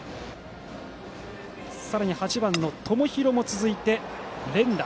さらに８番の友廣も続いて連打。